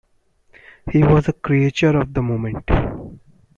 He was a creature of the moment.